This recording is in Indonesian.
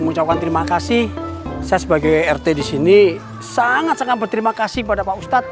mengucapkan terima kasih saya sebagai rt di sini sangat sangat berterima kasih kepada pak ustadz